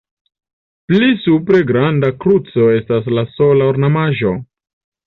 Pli supre granda kruco estas la sola ornamaĵo.